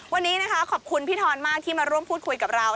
วันนี้นะคะขอบคุณพี่ทอนมากที่มาร่วมพูดคุยกับเรา